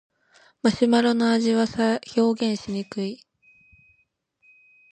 マシュマロの味は表現しにくい